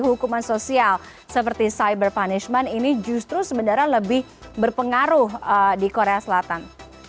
hukuman sosial seperti cyber punishment ini justru sebenarnya lebih berpengaruh di korea selatan